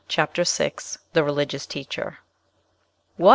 CHAPTER VI THE RELIGIOUS TEACHER "What!